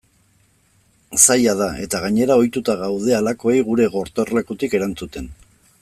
Zaila da eta gainera ohituta gaude halakoei gure gotorlekutik erantzuten.